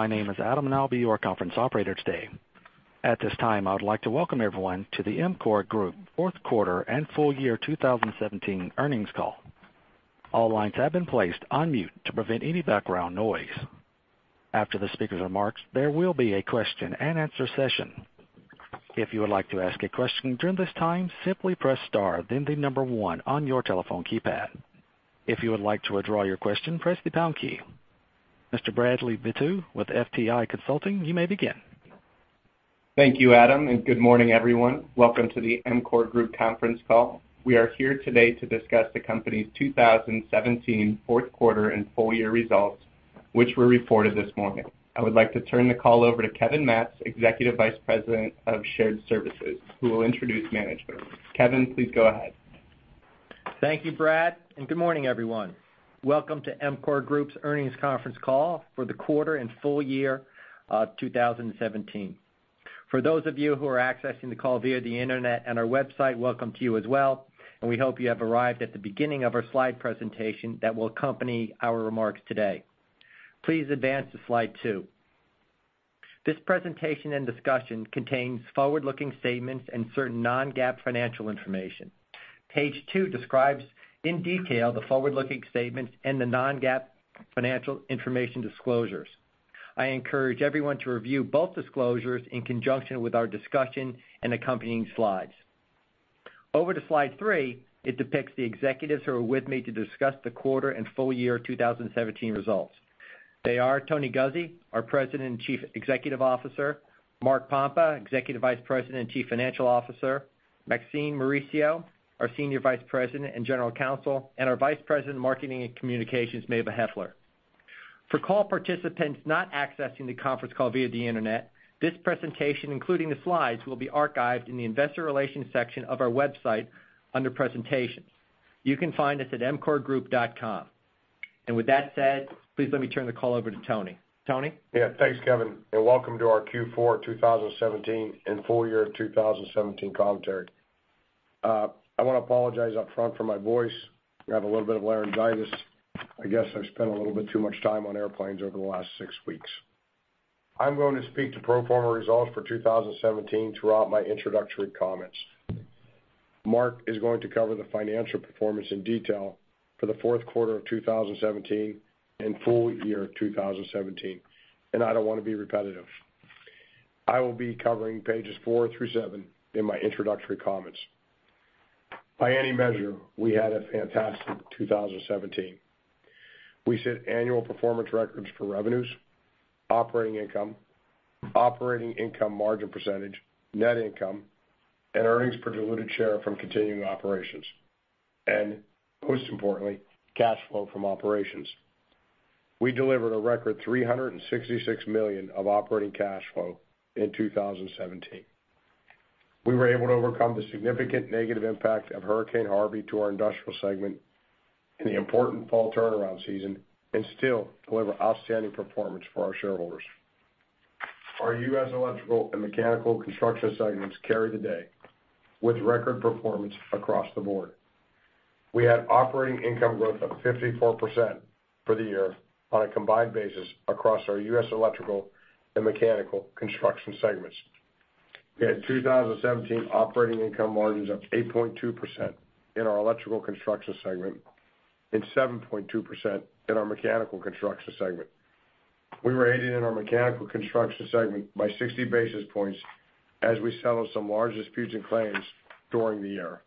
My name is Adam, and I'll be your conference operator today. At this time, I would like to welcome everyone to the EMCOR Group fourth quarter and full year 2017 earnings call. All lines have been placed on mute to prevent any background noise. After the speaker's remarks, there will be a question and answer session. If you would like to ask a question during this time, simply press star then the number one on your telephone keypad. If you would like to withdraw your question, press the pound key. Mr. Bradley Vitou with FTI Consulting, you may begin. Thank you, Adam, and good morning, everyone. Welcome to the EMCOR Group conference call. We are here today to discuss the company's 2017 fourth quarter and full year results, which were reported this morning. I would like to turn the call over to Kevin Matz, Executive Vice President of Shared Services, who will introduce management. Kevin, please go ahead. Thank you, Brad, and good morning, everyone. Welcome to EMCOR Group's earnings conference call for the quarter and full year 2017. For those of you who are accessing the call via the internet and our website, welcome to you as well, and we hope you have arrived at the beginning of our slide presentation that will accompany our remarks today. Please advance to slide two. This presentation and discussion contains forward-looking statements and certain non-GAAP financial information. Page two describes in detail the forward-looking statements and the non-GAAP financial information disclosures. I encourage everyone to review both disclosures in conjunction with our discussion and accompanying slides. Over to slide three, it depicts the executives who are with me to discuss the quarter and full year 2017 results. They are Tony Guzzi, our President and Chief Executive Officer; Mark Pompa, Executive Vice President and Chief Financial Officer; Maxine Mauricio, our Senior Vice President and General Counsel, and our Vice President of Marketing and Communications, Mava Heffler. For call participants not accessing the conference call via the internet, this presentation, including the slides, will be archived in the investor relations section of our website under presentations. You can find us at emcorgroup.com. With that said, please let me turn the call over to Tony. Tony? Thanks, Kevin, and welcome to our Q4 2017 and full year 2017 commentary. I want to apologize upfront for my voice. I have a little bit of laryngitis. I guess I've spent a little bit too much time on airplanes over the last six weeks. I'm going to speak to pro forma results for 2017 throughout my introductory comments. Mark is going to cover the financial performance in detail for the fourth quarter of 2017 and full year 2017, I don't want to be repetitive. I will be covering pages four through seven in my introductory comments. By any measure, we had a fantastic 2017. We set annual performance records for revenues, operating income, operating income margin percentage, net income, and earnings per diluted share from continuing operations, and most importantly, cash flow from operations. We delivered a record $366 million of operating cash flow in 2017. We were able to overcome the significant negative impact of Hurricane Harvey to our industrial segment in the important fall turnaround season and still deliver outstanding performance for our shareholders. Our U.S. electrical and mechanical construction segments carried the day with record performance across the board. We had operating income growth of 54% for the year on a combined basis across our U.S. electrical and mechanical construction segments. We had 2017 operating income margins of 8.2% in our electrical construction segment and 7.2% in our mechanical construction segment. We were aided in our mechanical construction segment by 60 basis points as we settled some large disputes and claims during the year.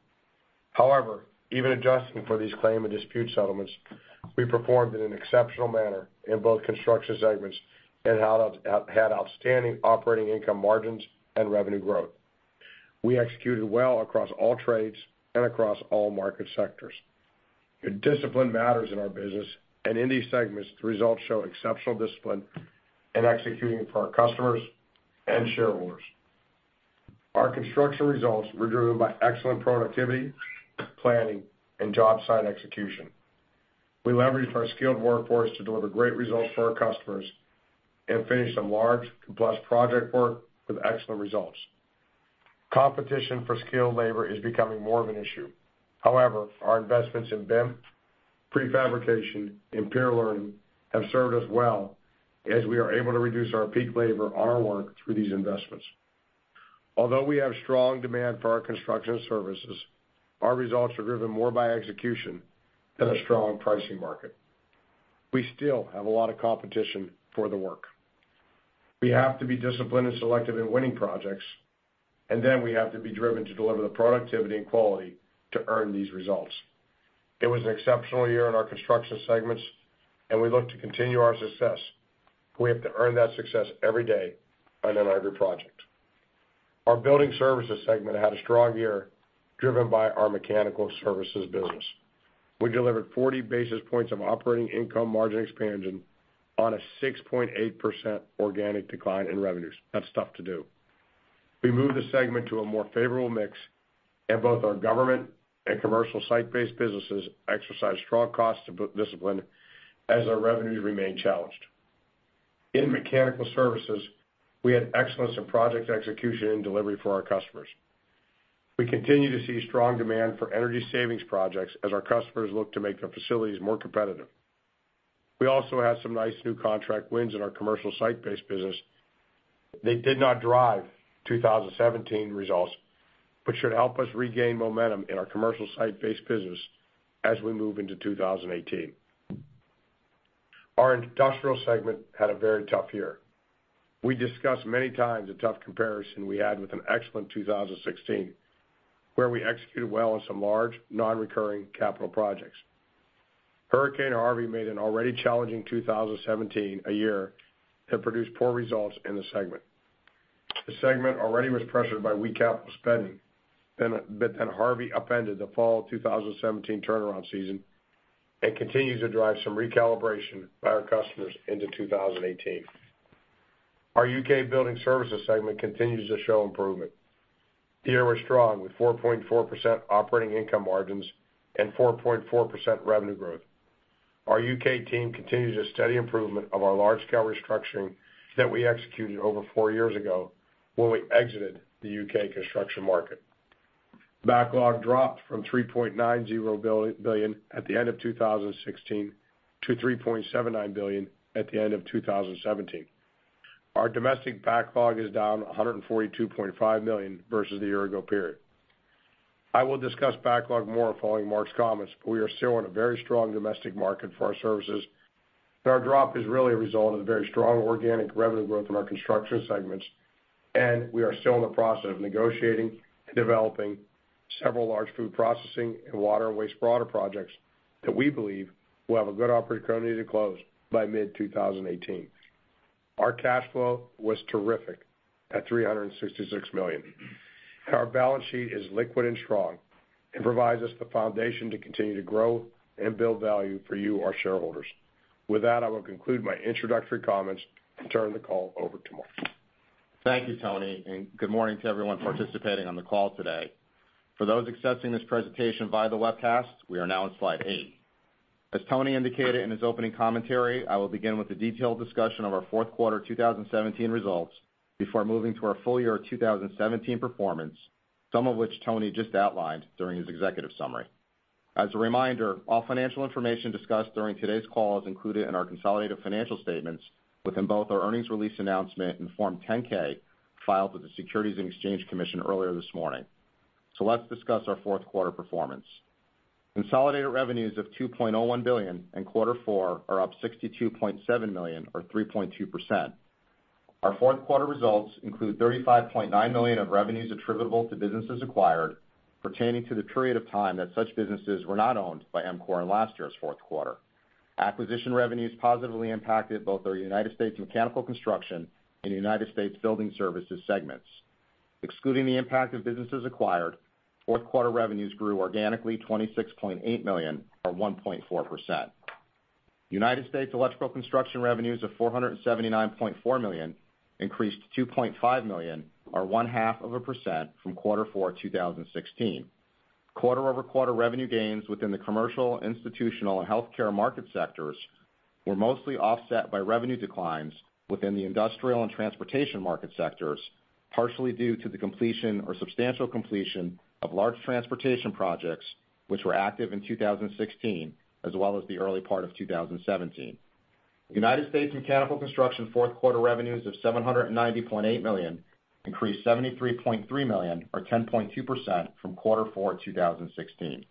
Even adjusting for these claim and dispute settlements, we performed in an exceptional manner in both construction segments and had outstanding operating income margins and revenue growth. We executed well across all trades and across all market sectors. Discipline matters in our business and in these segments, the results show exceptional discipline in executing for our customers and shareholders. Our construction results were driven by excellent productivity, planning, and job site execution. We leveraged our skilled workforce to deliver great results for our customers and finished some large, complex project work with excellent results. Competition for skilled labor is becoming more of an issue. Our investments in BIM, prefabrication, and peer learning have served us well as we are able to reduce our peak labor on our work through these investments. We have strong demand for our construction services, our results are driven more by execution than a strong pricing market. We still have a lot of competition for the work. We have to be disciplined and selective in winning projects, we have to be driven to deliver the productivity and quality to earn these results. It was an exceptional year in our construction segments, we look to continue our success. We have to earn that success every day and on every project. Our building services segment had a strong year, driven by our mechanical services business. We delivered 40 basis points of operating income margin expansion on a 6.8% organic decline in revenues. That's tough to do. We moved the segment to a more favorable mix, Both our government and commercial site-based businesses exercised strong cost discipline as our revenues remained challenged. In mechanical services, we had excellence in project execution and delivery for our customers. We continue to see strong demand for energy savings projects as our customers look to make their facilities more competitive. We also had some nice new contract wins in our commercial site-based business. They did not drive 2017 results, should help us regain momentum in our commercial site-based business as we move into 2018. Our industrial segment had a very tough year. We discussed many times the tough comparison we had with an excellent 2016, where we executed well on some large non-recurring capital projects. Hurricane Harvey made an already challenging 2017 a year that produced poor results in the segment. The segment already was pressured by weak capital spending, Harvey upended the fall 2017 turnaround season and continues to drive some recalibration by our customers into 2018. Our U.K. Building Services segment continues to show improvement. The year was strong, with 4.4% operating income margins and 4.4% revenue growth. Our U.K. team continues a steady improvement of our large scale restructuring that we executed over four years ago, when we exited the U.K. construction market. Backlog dropped from $3.90 billion at the end of 2016 to $3.79 billion at the end of 2017. Our domestic backlog is down $142.5 million versus the year ago period. I will discuss backlog more following Mark's comments, we are still in a very strong domestic market for our services, our drop is really a result of the very strong organic revenue growth in our construction segments. We are still in the process of negotiating and developing several large food processing and water and waste water projects that we believe will have a good opportunity to close by mid-2018. Our cash flow was terrific at $366 million, our balance sheet is liquid and strong and provides us the foundation to continue to grow and build value for you, our shareholders. With that, I will conclude my introductory comments and turn the call over to Mark. Thank you, Tony. Good morning to everyone participating on the call today. For those accessing this presentation via the webcast, we are now on slide eight. As Tony indicated in his opening commentary, I will begin with a detailed discussion of our fourth quarter 2017 results before moving to our full year 2017 performance, some of which Tony just outlined during his executive summary. As a reminder, all financial information discussed during today's call is included in our consolidated financial statements within both our earnings release announcement and Form 10-K filed with the Securities and Exchange Commission earlier this morning. Let's discuss our fourth quarter performance. Consolidated revenues of $2.01 billion in quarter four are up $62.7 million or 3.2%. Our fourth quarter results include $35.9 million of revenues attributable to businesses acquired pertaining to the period of time that such businesses were not owned by EMCOR in last year's fourth quarter. Acquisition revenues positively impacted both our United States Mechanical Construction and United States Building Services segments. Excluding the impact of businesses acquired, fourth quarter revenues grew organically $26.8 million or 1.4%. United States Electrical Construction revenues of $479.4 million increased $2.5 million or one half of a percent from quarter four 2016. Quarter-over-quarter revenue gains within the commercial, institutional, and healthcare market sectors were mostly offset by revenue declines within the industrial and transportation market sectors, partially due to the completion or substantial completion of large transportation projects, which were active in 2016 as well as the early part of 2017. United States Mechanical Construction fourth quarter revenues of $790.8 million increased $73.3 million or 10.2% from quarter four 2016.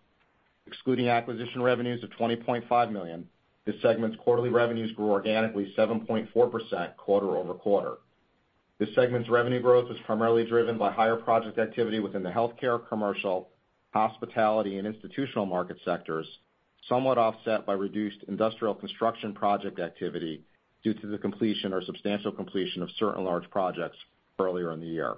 Excluding acquisition revenues of $20.5 million, this segment's quarterly revenues grew organically 7.4% quarter-over-quarter. This segment's revenue growth was primarily driven by higher project activity within the healthcare, commercial, hospitality, and institutional market sectors, somewhat offset by reduced industrial construction project activity due to the completion or substantial completion of certain large projects earlier in the year.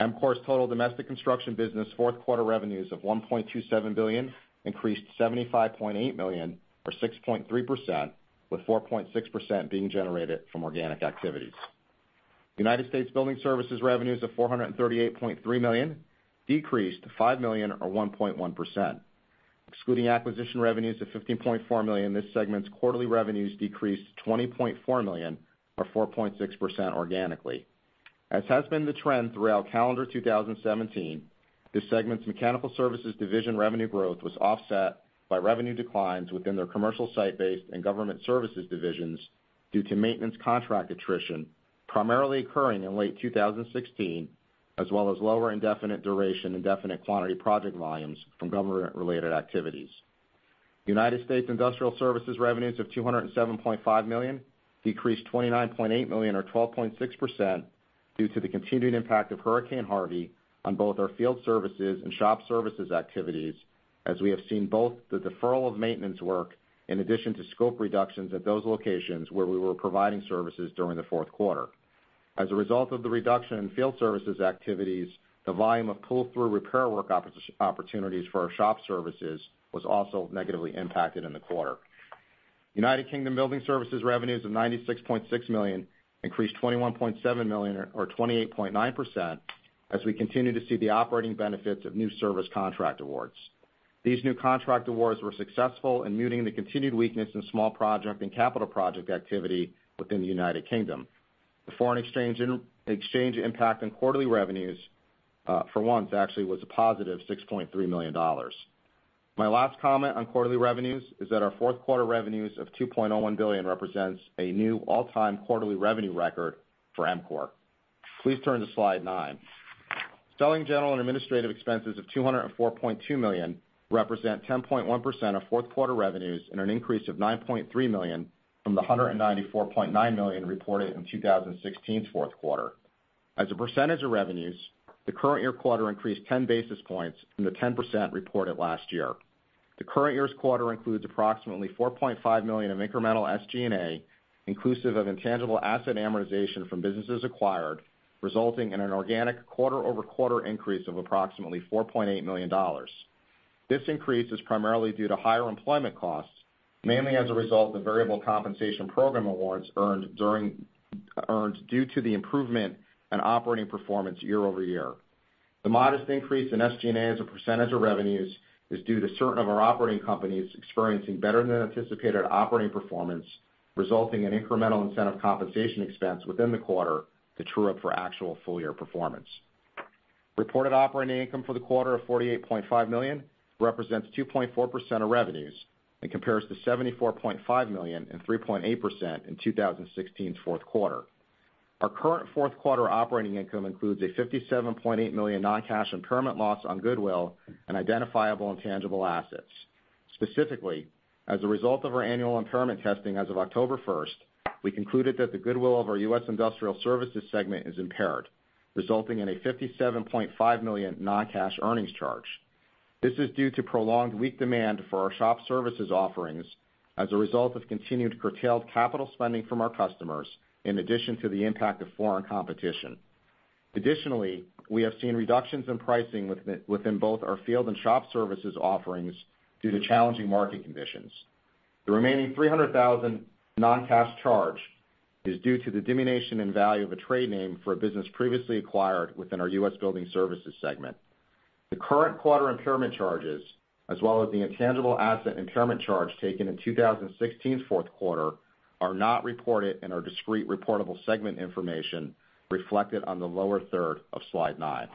EMCOR's total domestic construction business fourth quarter revenues of $1.27 billion increased $75.8 million or 6.3%, with 4.6% being generated from organic activities. United States Building Services revenues of $438.3 million decreased $5 million or 1.1%. Excluding acquisition revenues of $15.4 million, this segment's quarterly revenues decreased $20.4 million or 4.6% organically. As has been the trend throughout calendar 2017, this segment's mechanical services division revenue growth was offset by revenue declines within their commercial site-based and government services divisions due to maintenance contract attrition, primarily occurring in late 2016, as well as lower indefinite duration, indefinite quantity project volumes from government related activities. United States Industrial Services revenues of $207.5 million decreased $29.8 million or 12.6% due to the continued impact of Hurricane Harvey on both our field services and shop services activities, as we have seen both the deferral of maintenance work in addition to scope reductions at those locations where we were providing services during the fourth quarter. As a result of the reduction in field services activities, the volume of pull-through repair work opportunities for our shop services was also negatively impacted in the quarter. United Kingdom Building Services revenues of $96.6 million increased $21.7 million or 28.9% as we continue to see the operating benefits of new service contract awards. These new contract awards were successful in muting the continued weakness in small project and capital project activity within the United Kingdom. The foreign exchange impact on quarterly revenues, for once, actually was a positive $6.3 million. My last comment on quarterly revenues is that our fourth quarter revenues of $2.01 billion represents a new all-time quarterly revenue record for EMCOR. Please turn to slide nine. Selling, general, and administrative expenses of $204.2 million represent 10.1% of fourth quarter revenues and an increase of $9.3 million from the $194.9 million reported in 2016's fourth quarter. As a percentage of revenues, the current year quarter increased ten basis points from the 10% reported last year. The current year's quarter includes approximately $4.5 million of incremental SG&A, inclusive of intangible asset amortization from businesses acquired, resulting in an organic quarter-over-quarter increase of approximately $4.8 million. This increase is primarily due to higher employment costs, mainly as a result of variable compensation program awards earned due to the improvement in operating performance year-over-year. The modest increase in SG&A as a percentage of revenues is due to certain of our operating companies experiencing better-than-anticipated operating performance, resulting in incremental incentive compensation expense within the quarter to true up for actual full-year performance. Reported operating income for the quarter of $48.5 million represents 2.4% of revenues and compares to $74.5 million and 3.8% in 2016's fourth quarter. Our current fourth quarter operating income includes a $57.8 million non-cash impairment loss on goodwill and identifiable intangible assets. Specifically, as a result of our annual impairment testing as of October 1st, we concluded that the goodwill of our U.S. Industrial Services segment is impaired, resulting in a $57.5 million non-cash earnings charge. This is due to prolonged weak demand for our shop services offerings as a result of continued curtailed capital spending from our customers, in addition to the impact of foreign competition. Additionally, we have seen reductions in pricing within both our field and shop services offerings due to challenging market conditions. The remaining $300,000 non-cash charge is due to the diminution in value of a trade name for a business previously acquired within our U.S. Building Services segment. The current quarter impairment charges, as well as the intangible asset impairment charge taken in 2016's fourth quarter, are not reported in our discrete reportable segment information reflected on the lower third of slide nine.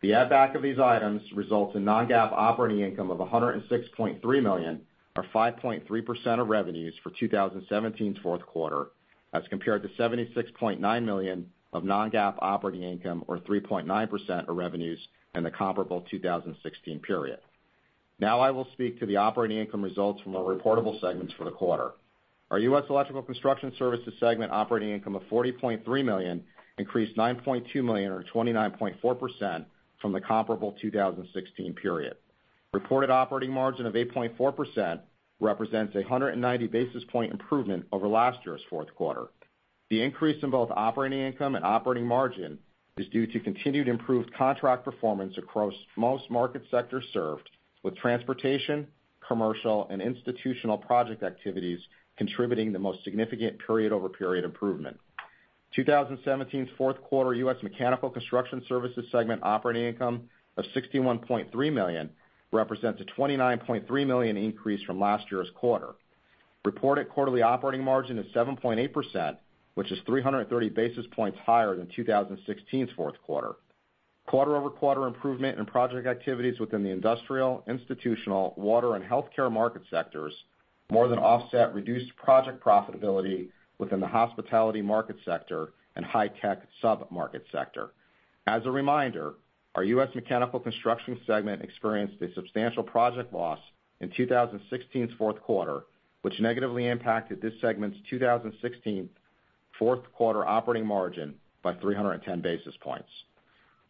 The add back of these items results in non-GAAP operating income of $106.3 million, or 5.3% of revenues for 2017's fourth quarter, as compared to $76.9 million of non-GAAP operating income or 3.9% of revenues in the comparable 2016 period. Now I will speak to the operating income results from our reportable segments for the quarter. Our U.S. Electrical Construction Services segment operating income of $40.3 million increased $9.2 million or 29.4% from the comparable 2016 period. Reported operating margin of 8.4% represents a 190-basis point improvement over last year's fourth quarter. The increase in both operating income and operating margin is due to continued improved contract performance across most market sectors served with transportation, commercial, and institutional project activities contributing the most significant period-over-period improvement. 2017's fourth quarter U.S. Mechanical Construction Services segment operating income of $61.3 million represents a $29.3 million increase from last year's quarter. Reported quarterly operating margin is 7.8%, which is 330 basis points higher than 2016's fourth quarter. Quarter-over-quarter improvement in project activities within the industrial, institutional, water, and healthcare market sectors more than offset reduced project profitability within the hospitality market sector and high-tech submarket sector. As a reminder, our U.S. Mechanical Construction segment experienced a substantial project loss in 2016's fourth quarter, which negatively impacted this segment's 2016 fourth quarter operating margin by 310 basis points.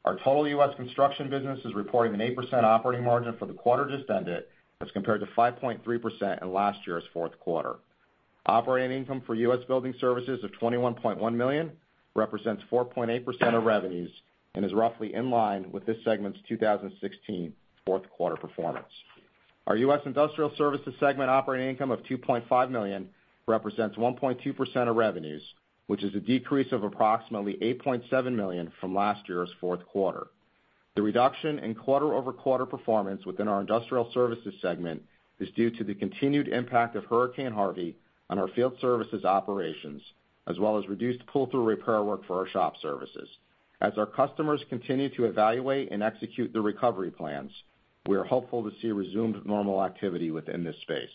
Our total U.S. Construction business is reporting an 8% operating margin for the quarter just ended, as compared to 5.3% in last year's fourth quarter. Operating income for U.S. Building Services of $21.1 million represents 4.8% of revenues and is roughly in line with this segment's 2016 fourth quarter performance. Our U.S. Industrial Services segment operating income of $2.5 million represents 1.2% of revenues, which is a decrease of approximately $8.7 million from last year's fourth quarter. The reduction in quarter-over-quarter performance within our Industrial Services segment is due to the continued impact of Hurricane Harvey on our field services operations, as well as reduced pull-through repair work for our shop services. As our customers continue to evaluate and execute their recovery plans, we are hopeful to see resumed normal activity within this space.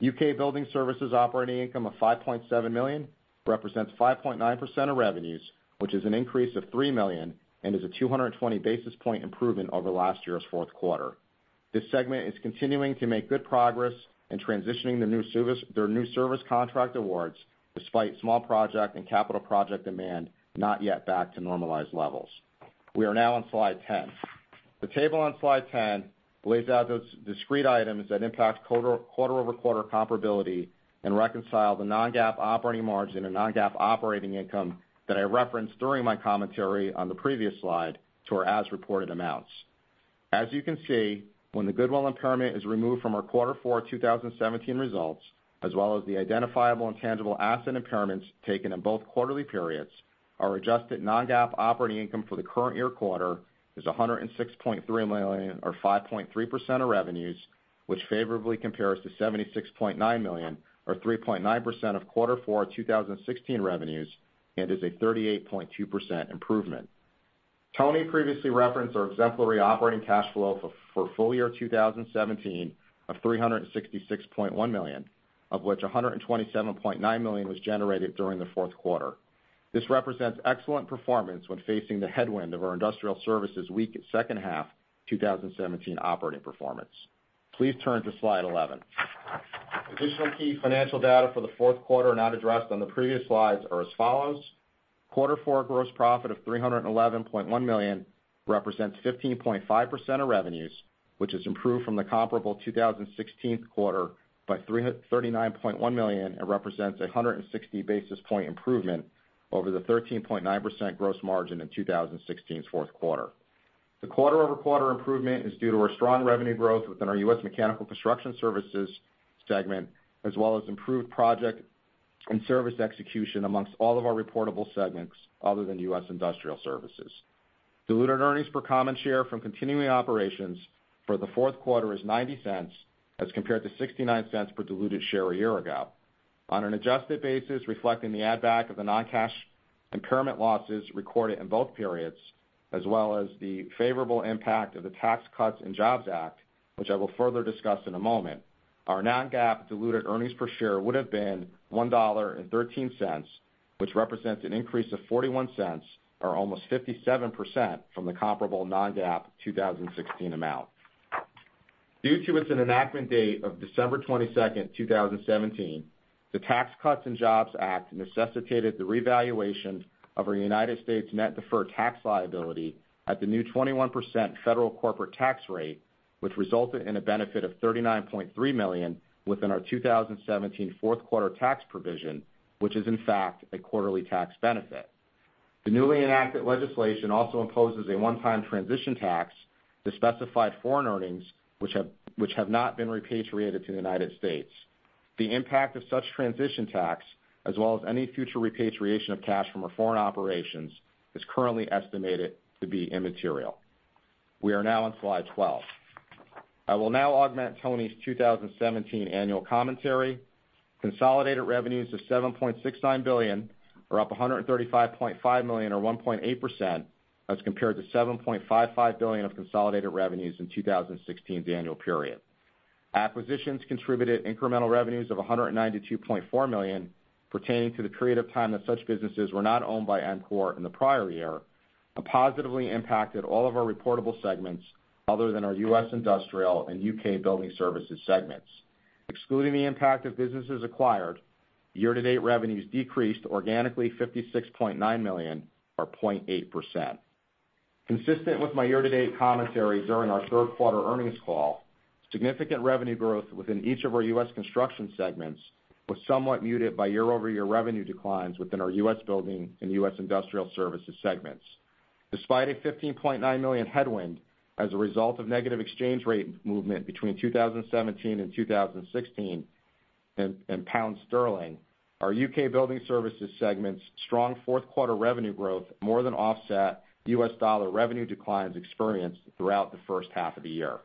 U.K. Building Services operating income of $5.7 million represents 5.9% of revenues, which is an increase of $3 million and is a 220 basis point improvement over last year's fourth quarter. This segment is continuing to make good progress in transitioning their new service contract awards, despite small project and capital project demand not yet back to normalized levels. We are now on slide 10. The table on slide 10 lays out those discrete items that impact quarter-over-quarter comparability and reconcile the non-GAAP operating margin and non-GAAP operating income that I referenced during my commentary on the previous slide to our as-reported amounts. As you can see, when the goodwill impairment is removed from our quarter four 2017 results, as well as the identifiable intangible asset impairments taken in both quarterly periods, our adjusted non-GAAP operating income for the current year quarter is $106.3 million or 5.3% of revenues, which favorably compares to $76.9 million or 3.9% of quarter four 2016 revenues and is a 38.2% improvement. Tony previously referenced our exemplary operating cash flow for full year 2017 of $366.1 million, of which $127.9 million was generated during the fourth quarter. This represents excellent performance when facing the headwind of our industrial services weak second half 2017 operating performance. Please turn to slide 11. Additional key financial data for the fourth quarter not addressed on the previous slides are as follows: quarter four gross profit of $311.1 million represents 15.5% of revenues, which has improved from the comparable 2016 quarter by $339.1 million and represents a 160 basis point improvement over the 13.9% gross margin in 2016's fourth quarter. The quarter-over-quarter improvement is due to our strong revenue growth within our U.S. Mechanical Construction Services segment, as well as improved project and service execution amongst all of our reportable segments other than U.S. Industrial Services. Diluted earnings per common share from continuing operations for the fourth quarter is $0.90 as compared to $0.69 per diluted share a year ago. On an adjusted basis, reflecting the add back of the non-cash impairment losses recorded in both periods, as well as the favorable impact of the Tax Cuts and Jobs Act, which I will further discuss in a moment, our non-GAAP diluted earnings per share would've been $1.13, which represents an increase of $0.41 or almost 57% from the comparable non-GAAP 2016 amount. Due to its enactment date of December 22nd, 2017, the Tax Cuts and Jobs Act necessitated the revaluation of our U.S. net deferred tax liability at the new 21% federal corporate tax rate, which resulted in a benefit of $39.3 million within our 2017 fourth quarter tax provision, which is in fact a quarterly tax benefit. The newly enacted legislation also imposes a one-time transition tax to specified foreign earnings which have not been repatriated to the U.S. The impact of such transition tax, as well as any future repatriation of cash from our foreign operations, is currently estimated to be immaterial. We are now on slide 12. I will now augment Tony's 2017 annual commentary. Consolidated revenues of $7.69 billion are up $135.5 million or 1.8% as compared to $7.55 billion of consolidated revenues in 2016's annual period. Acquisitions contributed incremental revenues of $192.4 million pertaining to the uncertain that such businesses were not owned by EMCOR in the prior year and positively impacted all of our reportable segments other than our U.S. Industrial and U.K. Building Services segments. Excluding the impact of businesses acquired, year-to-date revenues decreased organically $56.9 million or 0.8%. Consistent with my year-to-date commentary during our third quarter earnings call, significant revenue growth within each of our U.S. construction segments was somewhat muted by year-over-year revenue declines within our U.S. Building Services and U.S. Industrial Services segments. Despite a $15.9 million headwind as a result of negative exchange rate movement between 2017 and 2016 in GBP, our U.K. Building Services segment's strong fourth quarter revenue growth more than offset U.S. dollar revenue declines experienced throughout the first half of the year.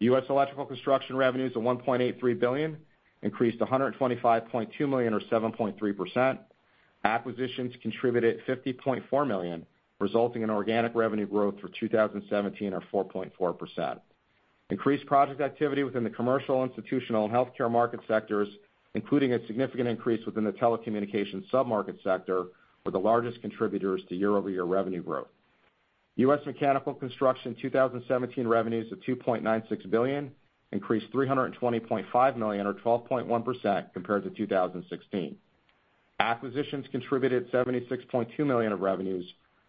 U.S. Electrical Construction revenues of $1.83 billion increased $125.2 million or 7.3%. Acquisitions contributed $50.4 million, resulting in organic revenue growth for 2017 of 4.4%. Increased project activity within the commercial, institutional, and healthcare market sectors, including a significant increase within the telecommunications sub-market sector, were the largest contributors to year-over-year revenue growth. U.S. Mechanical Construction 2017 revenues of $2.96 billion increased $320.5 million or 12.1% compared to 2016. Acquisitions contributed $76.2 million of revenues,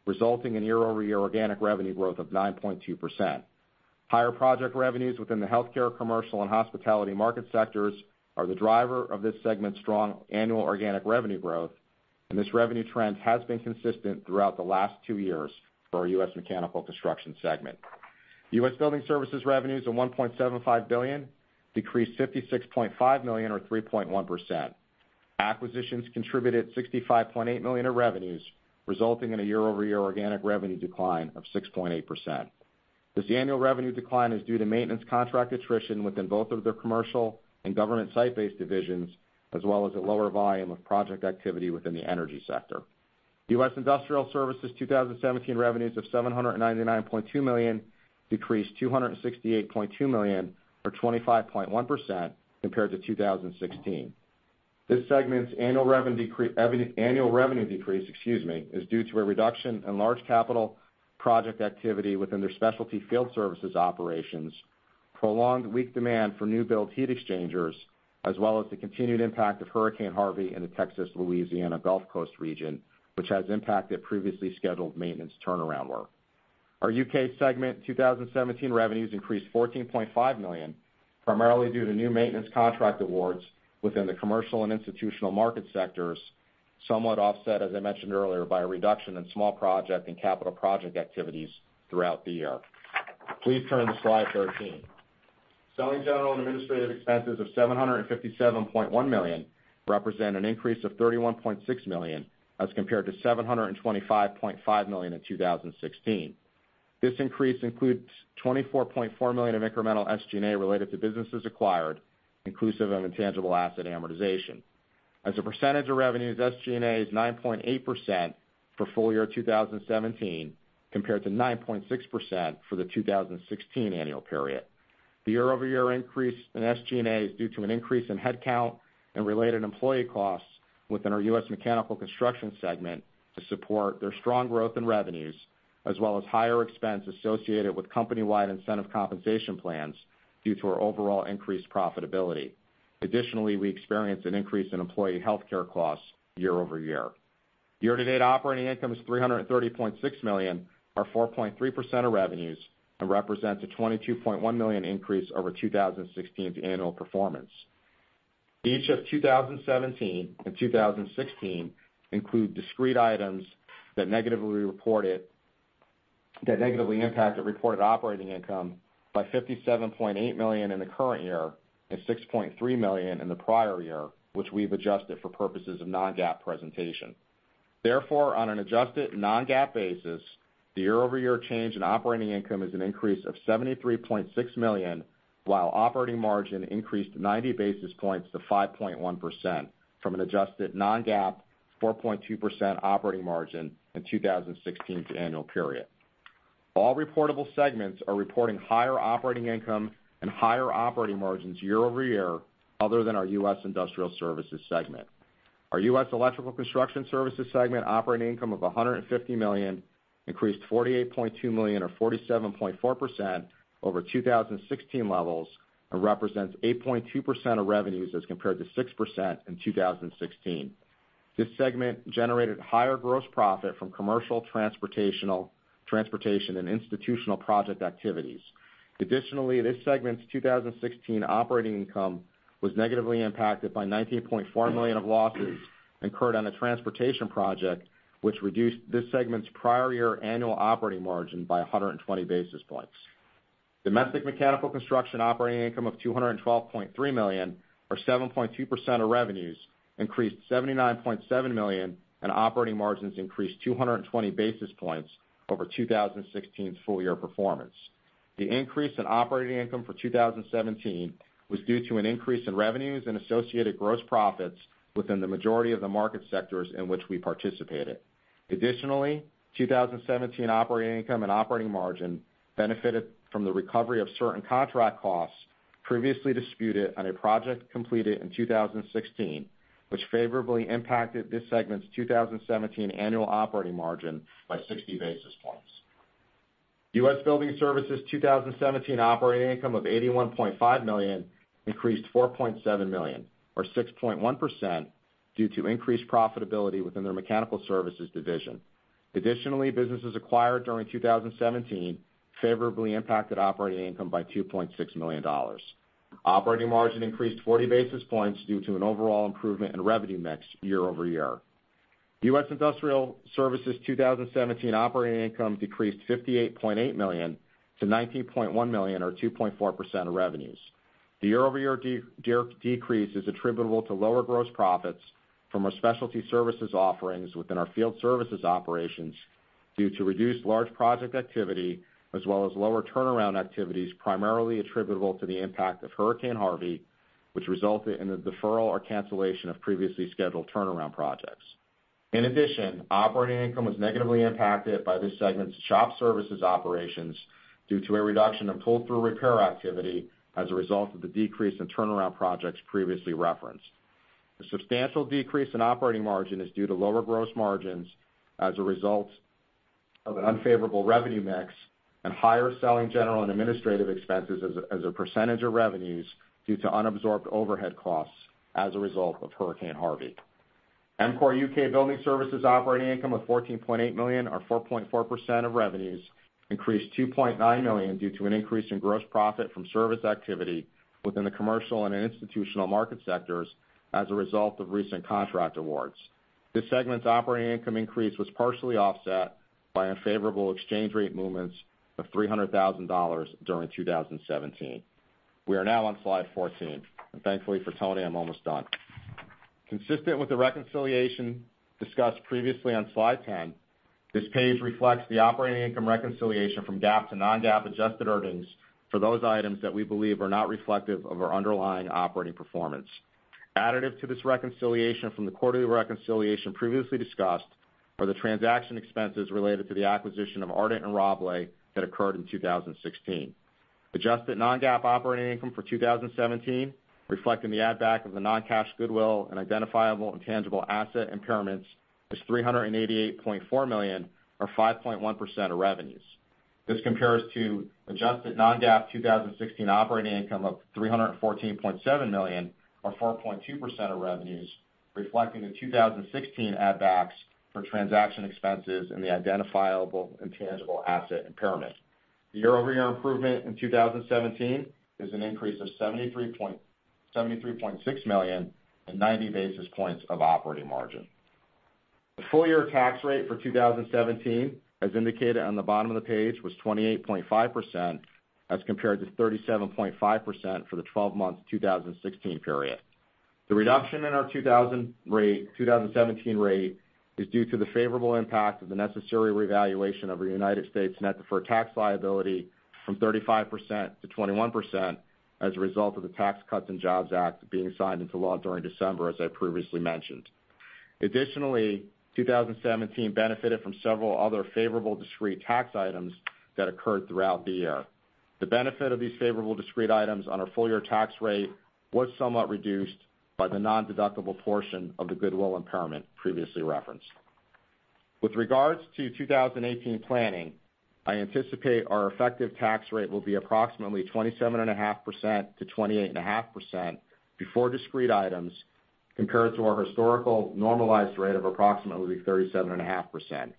resulting in year-over-year organic revenue growth of 9.2%. Higher project revenues within the healthcare, commercial, and hospitality market sectors are the driver of this segment's strong annual organic revenue growth, and this revenue trend has been consistent throughout the last two years for our U.S. Mechanical Construction segment. U.S. Building Services revenues of $1.75 billion decreased $56.5 million or 3.1%. Acquisitions contributed $65.8 million of revenues, resulting in a year-over-year organic revenue decline of 6.8%. This annual revenue decline is due to maintenance contract attrition within both of their commercial and government site-based divisions, as well as a lower volume of project activity within the energy sector. U.S. Industrial Services 2017 revenues of $799.2 million decreased $268.2 million or 25.1% compared to 2016. This segment's annual revenue decrease is due to a reduction in large capital project activity within their specialty field services operations, prolonged weak demand for new build heat exchangers, as well as the continued impact of Hurricane Harvey in the Texas, Louisiana Gulf Coast region, which has impacted previously scheduled maintenance turnaround work. Our U.K. segment 2017 revenues increased $14.5 million, primarily due to new maintenance contract awards within the commercial and institutional market sectors, somewhat offset, as I mentioned earlier, by a reduction in small project and capital project activities throughout the year. Please turn to slide 13. Selling, General and Administrative expenses of $757.1 million represent an increase of $31.6 million as compared to $725.5 million in 2016. This increase includes $24.4 million of incremental SG&A related to businesses acquired, inclusive of intangible asset amortization. As a percentage of revenues, SG&A is 9.8% for full year 2017, compared to 9.6% for the 2016 annual period. The year-over-year increase in SG&A is due to an increase in headcount and related employee costs within our U.S. Mechanical Construction segment to support their strong growth in revenues, as well as higher expense associated with company-wide incentive compensation plans due to our overall increased profitability. Additionally, we experienced an increase in employee healthcare costs year-over-year. Year-to-date operating income is $330.6 million, or 4.3% of revenues, and represents a $22.1 million increase over 2016's annual performance. Each of 2017 and 2016 include discrete items that negatively impacted reported operating income by $57.8 million in the current year and $6.3 million in the prior year, which we've adjusted for purposes of non-GAAP presentation. On an adjusted non-GAAP basis, the year-over-year change in operating income is an increase of $73.6 million, while operating margin increased 90 basis points to 5.1% from an adjusted non-GAAP 4.2% operating margin in 2016's annual period. All reportable segments are reporting higher operating income and higher operating margins year-over-year other than our U.S. Industrial Services segment. Our U.S. Electrical Construction Services segment operating income of $150 million increased $48.2 million or 47.4% over 2016 levels and represents 8.2% of revenues as compared to 6% in 2016. This segment generated higher gross profit from commercial, transportation, and institutional project activities. Additionally, this segment's 2016 operating income was negatively impacted by $19.4 million of losses incurred on a transportation project, which reduced this segment's prior year annual operating margin by 120 basis points. Domestic Mechanical Construction operating income of $212.3 million or 7.2% of revenues increased $79.7 million and operating margins increased 220 basis points over 2016's full-year performance. The increase in operating income for 2017 was due to an increase in revenues and associated gross profits within the majority of the market sectors in which we participated. Additionally, 2017 operating income and operating margin benefited from the recovery of certain contract costs previously disputed on a project completed in 2016, which favorably impacted this segment's 2017 annual operating margin by 60 basis points. U.S. Building Services' 2017 operating income of $81.5 million increased $4.7 million or 6.1% due to increased profitability within their Mechanical Services division. Additionally, businesses acquired during 2017 favorably impacted operating income by $2.6 million. Operating margin increased 40 basis points due to an overall improvement in revenue mix year-over-year. U.S. Industrial Services 2017 operating income decreased $58.8 million to $19.1 million or 2.4% of revenues. The year-over-year decrease is attributable to lower gross profits from our specialty services offerings within our field services operations due to reduced large project activity as well as lower turnaround activities primarily attributable to the impact of Hurricane Harvey, which resulted in the deferral or cancellation of previously scheduled turnaround projects. In addition, operating income was negatively impacted by this segment's shop services operations due to a reduction of pull-through repair activity as a result of the decrease in turnaround projects previously referenced. The substantial decrease in operating margin is due to lower gross margins as a result of an unfavorable revenue mix and higher selling, general and administrative expenses as a percentage of revenues due to unabsorbed overhead costs as a result of Hurricane Harvey. EMCOR UK Building Services operating income of $14.8 million or 4.4% of revenues increased $2.9 million due to an increase in gross profit from service activity within the commercial and institutional market sectors as a result of recent contract awards. This segment's operating income increase was partially offset by unfavorable exchange rate movements of $300,000 during 2017. We are now on slide 14, and thankfully for Tony, I am almost done. Consistent with the reconciliation discussed previously on slide 10, this page reflects the operating income reconciliation from GAAP to non-GAAP adjusted earnings for those items that we believe are not reflective of our underlying operating performance. Additive to this reconciliation from the quarterly reconciliation previously discussed are the transaction expenses related to the acquisition of Ardent and Rabalais that occurred in 2016. Adjusted non-GAAP operating income for 2017, reflecting the add-back of the non-cash goodwill and identifiable intangible asset impairments, is $388.4 million or 5.1% of revenues. This compares to adjusted non-GAAP 2016 operating income of $314.7 million or 4.2% of revenues, reflecting the 2016 add-backs for transaction expenses and the identifiable intangible asset impairment. The year-over-year improvement in 2017 is an increase of $73.6 million and 90 basis points of operating margin. The full-year tax rate for 2017, as indicated on the bottom of the page, was 28.5% as compared to 37.5% for the 12 months 2016 period. The reduction in our 2017 rate is due to the favorable impact of the necessary revaluation of U.S. net deferred tax liability from 35% to 21% as a result of the Tax Cuts and Jobs Act being signed into law during December, as I previously mentioned. Additionally, 2017 benefited from several other favorable discrete tax items that occurred throughout the year. The benefit of these favorable discrete items on our full-year tax rate was somewhat reduced by the non-deductible portion of the goodwill impairment previously referenced. With regards to 2018 planning, I anticipate our effective tax rate will be approximately 27.5%-28.5% before discrete items, compared to our historical normalized rate of approximately 37.5%.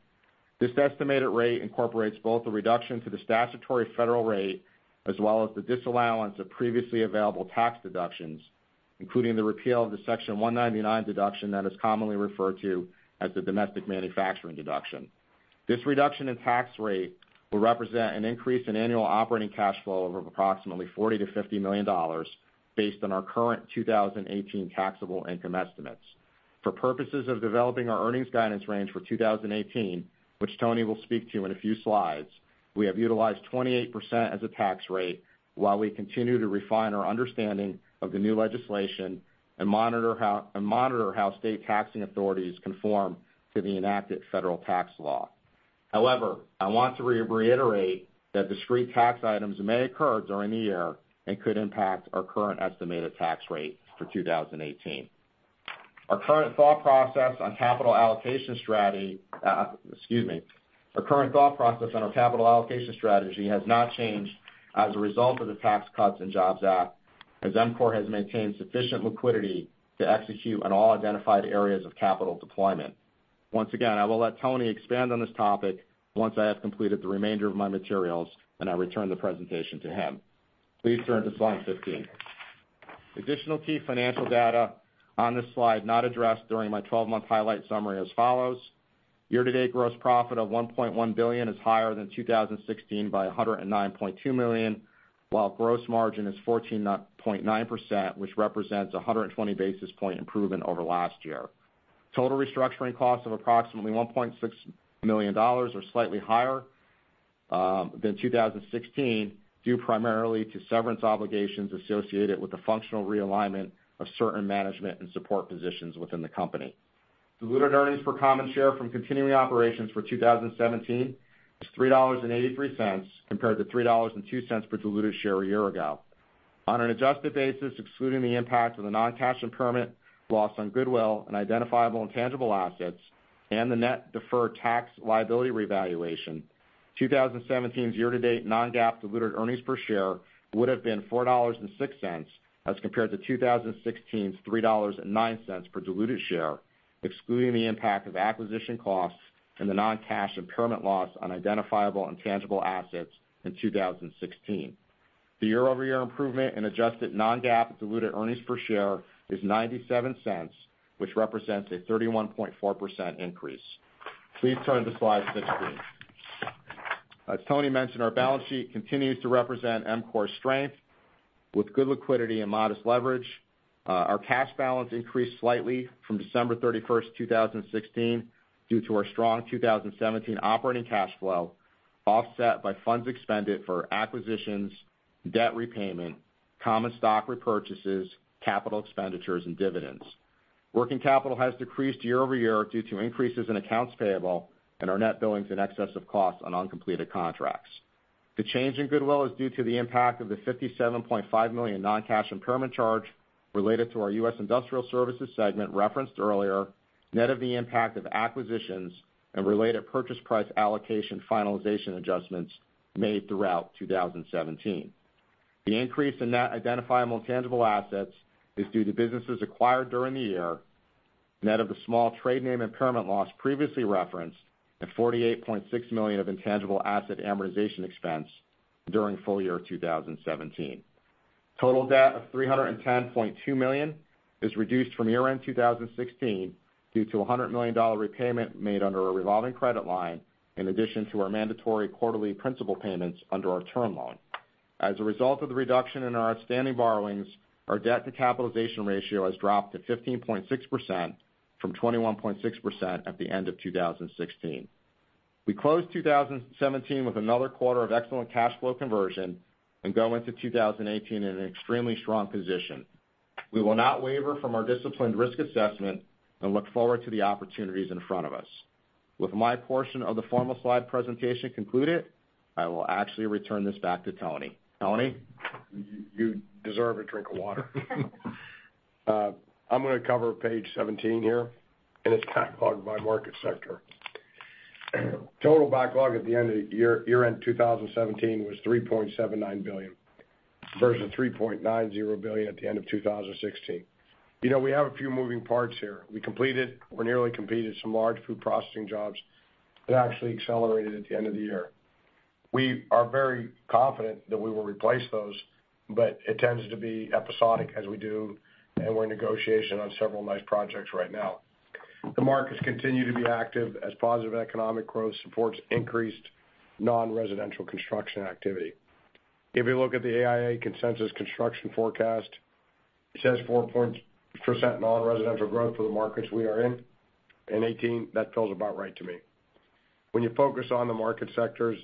This estimated rate incorporates both the reduction to the statutory federal rate, as well as the disallowance of previously available tax deductions, including the repeal of the Section 199 deduction that is commonly referred to as the domestic manufacturing deduction. This reduction in tax rate will represent an increase in annual operating cash flow of approximately $40 million-$50 million based on our current 2018 taxable income estimates. For purposes of developing our earnings guidance range for 2018, which Tony will speak to in a few slides, we have utilized 28% as a tax rate while we continue to refine our understanding of the new legislation and monitor how state taxing authorities conform to the enacted federal tax law. However, I want to reiterate that discrete tax items may occur during the year and could impact our current estimated tax rate for 2018. Our current thought process on our capital allocation strategy has not changed as a result of the Tax Cuts and Jobs Act, as EMCOR has maintained sufficient liquidity to execute on all identified areas of capital deployment. Once again, I will let Tony expand on this topic once I have completed the remainder of my materials, and I return the presentation to him. Please turn to slide 15. Additional key financial data on this slide not addressed during my 12-month highlight summary as follows. Year-to-date gross profit of $1.1 billion is higher than 2016 by $109.2 million, while gross margin is 14.9%, which represents 120 basis point improvement over last year. Total restructuring costs of approximately $1.6 million are slightly higher than 2016, due primarily to severance obligations associated with the functional realignment of certain management and support positions within the company. Diluted earnings per common share from continuing operations for 2017 is $3.83 compared to $3.02 per diluted share a year ago. On an adjusted basis, excluding the impact of the non-cash impairment loss on goodwill and identifiable intangible assets and the net deferred tax liability revaluation, 2017's year-to-date non-GAAP diluted earnings per share would've been $4.06 as compared to 2016's $3.09 per diluted share, excluding the impact of acquisition costs and the non-cash impairment loss on identifiable intangible assets in 2016. The year-over-year improvement in adjusted non-GAAP diluted earnings per share is $0.97, which represents a 31.4% increase. Please turn to slide 16. As Tony mentioned, our balance sheet continues to represent EMCOR's strength with good liquidity and modest leverage. Our cash balance increased slightly from December 31st, 2016, due to our strong 2017 operating cash flow, offset by funds expended for acquisitions, debt repayment, common stock repurchases, capital expenditures, and dividends. Working capital has decreased year-over-year due to increases in accounts payable and our net billings in excess of costs on uncompleted contracts. The change in goodwill is due to the impact of the $57.5 million non-cash impairment charge related to our U.S. industrial services segment referenced earlier, net of the impact of acquisitions and related purchase price allocation finalization adjustments made throughout 2017. The increase in net identifiable intangible assets is due to businesses acquired during the year, net of the small trade name impairment loss previously referenced and $48.6 million of intangible asset amortization expense during full year 2017. Total debt of $310.2 million is reduced from year-end 2016 due to $100 million repayment made under a revolving credit line, in addition to our mandatory quarterly principal payments under our term loan. As a result of the reduction in our outstanding borrowings, our debt to capitalization ratio has dropped to 15.6% from 21.6% at the end of 2016. We closed 2017 with another quarter of excellent cash flow conversion and go into 2018 in an extremely strong position. We will not waver from our disciplined risk assessment and look forward to the opportunities in front of us. With my portion of the formal slide presentation concluded, I will actually return this back to Tony. Tony, you deserve a drink of water. I'm going to cover page 17 here, and it's backlogged by market sector. Total backlog at the end of year-end 2017 was $3.79 billion versus $3.90 billion at the end of 2016. We have a few moving parts here. We completed or nearly completed some large food processing jobs that actually accelerated at the end of the year. We are very confident that we will replace those, but it tends to be episodic as we do, and we're in negotiation on several nice projects right now. The markets continue to be active as positive economic growth supports increased non-residential construction activity. If you look at the AIA Consensus Construction Forecast, it says 4% non-residential growth for the markets we are in 2018. That feels about right to me. When you focus on the market sectors,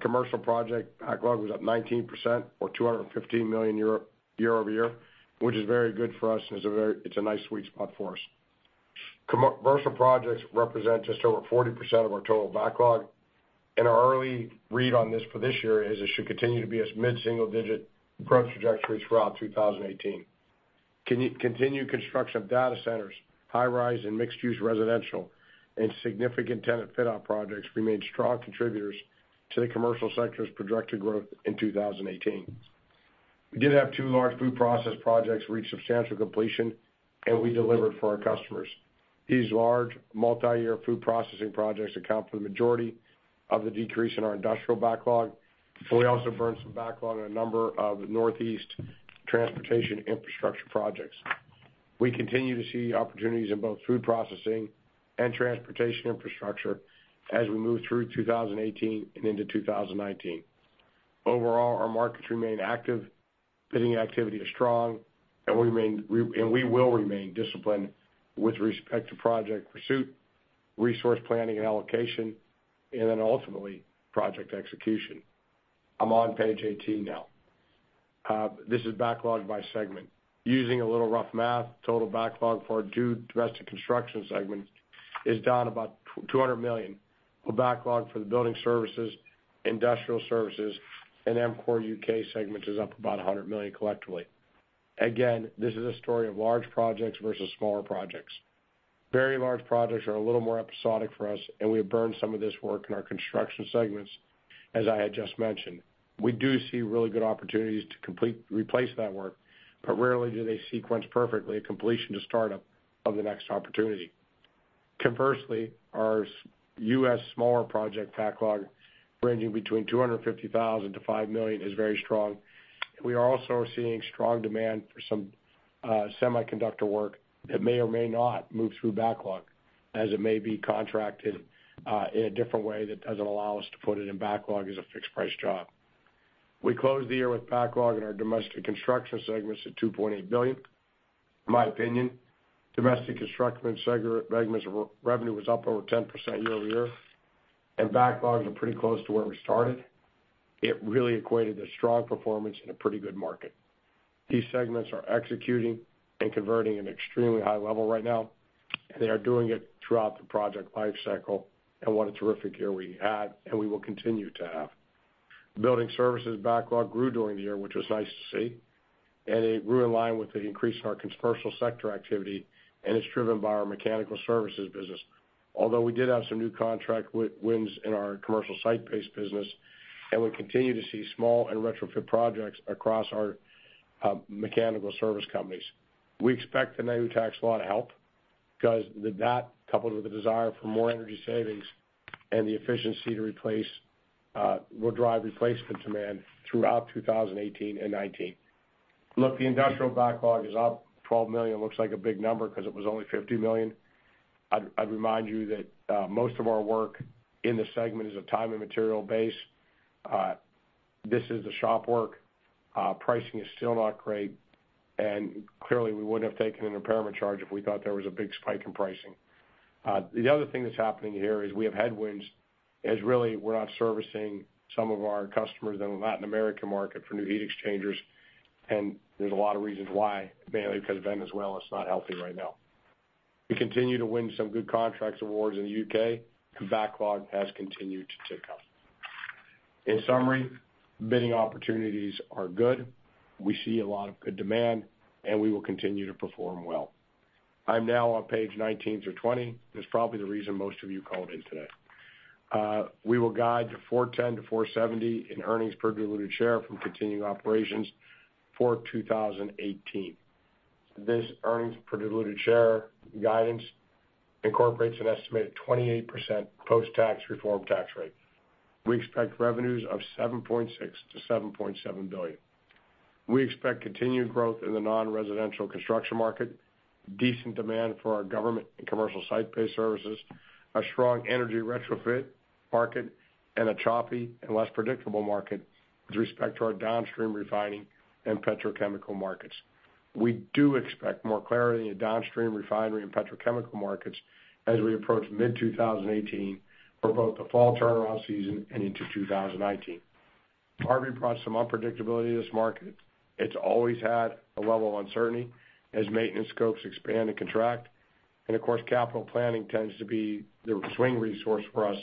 commercial project backlog was up 19% or $215 million year-over-year, which is very good for us, and it's a nice sweet spot for us. Commercial projects represent just over 40% of our total backlog. Our early read on this for this year is it should continue to be this mid-single-digit growth trajectory throughout 2018. Continued construction of data centers, high-rise, and mixed-use residential, and significant tenant fit-out projects remained strong contributors to the commercial sector's projected growth in 2018. We did have two large food process projects reach substantial completion, and we delivered for our customers. These large multi-year food processing projects account for the majority of the decrease in our industrial backlog, but we also burned some backlog in a number of Northeast transportation infrastructure projects. We continue to see opportunities in both food processing and transportation infrastructure as we move through 2018 and into 2019. Overall, our markets remain active, bidding activity is strong, and we will remain disciplined with respect to project pursuit, resource planning and allocation, and then ultimately, project execution. I'm on page 18 now. This is backlog by segment. Using a little rough math, total backlog for our two domestic construction segments is down about $200 million, while backlog for the building services, industrial services, and EMCOR UK segments is up about $100 million collectively. Again, this is a story of large projects versus smaller projects. Very large projects are a little more episodic for us, and we have burned some of this work in our construction segments, as I had just mentioned. We do see really good opportunities to replace that work, but rarely do they sequence perfectly a completion to startup of the next opportunity. Conversely, our U.S. smaller project backlog, ranging between $250,000-$5 million, is very strong. We are also seeing strong demand for some semiconductor work that may or may not move through backlog as it may be contracted, in a different way that doesn't allow us to put it in backlog as a fixed price job. We closed the year with backlog in our domestic construction segments at $2.8 billion. In my opinion, domestic construction segment revenue was up over 10% year-over-year, and backlogs are pretty close to where we started. It really equated a strong performance in a pretty good market. These segments are executing and converting an extremely high level right now. They are doing it throughout the project life cycle. What a terrific year we had. We will continue to have. Building services backlog grew during the year, which was nice to see. It grew in line with the increase in our commercial sector activity. It's driven by our mechanical services business. Although we did have some new contract wins in our commercial site-based business, we continue to see small and retrofit projects across our mechanical service companies. We expect the new tax law to help, because that, coupled with the desire for more energy savings and the efficiency to replace, will drive replacement demand throughout 2018 and 2019. The industrial backlog is up $12 million. It looks like a big number because it was only $50 million. I'd remind you that most of our work in this segment is a time and material base. This is the shop work. Pricing is still not great. Clearly, we wouldn't have taken an impairment charge if we thought there was a big spike in pricing. The other thing that's happening here is we have headwinds. We're not servicing some of our customers in the Latin American market for new heat exchangers. There's a lot of reasons why, mainly because Venezuela is not healthy right now. We continue to win some good contracts awards in the U.K. Backlog has continued to tick up. In summary, bidding opportunities are good. We see a lot of good demand. We will continue to perform well. I'm now on page 19-20. It's probably the reason most of you called in today. We will guide to $4.10-$4.70 in earnings per diluted share from continuing operations for 2018. This earnings per diluted share guidance incorporates an estimated 28% post-tax reform tax rate. We expect revenues of $7.6 billion-$7.7 billion. We expect continued growth in the non-residential construction market, decent demand for our government and commercial site-based services, a strong energy retrofit market, a choppy and less predictable market with respect to our downstream refining and petrochemical markets. We do expect more clarity in downstream refinery and petrochemical markets as we approach mid-2018 for both the fall turnaround season and into 2019. Harvey brought some unpredictability to this market. It's always had a level of uncertainty as maintenance scopes expand and contract. Of course, capital planning tends to be the swing resource for us